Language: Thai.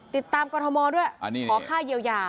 ติดตามกรมธมตร์ด้วยขอค่าเยียวยา